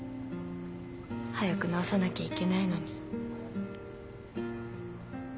早く治さなきゃいけないのに。